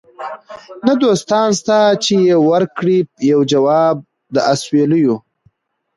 نه دوستان سته چي یې ورکړي یو جواب د اسوېلیو